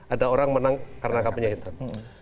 ada orang menang karena kampanye hitam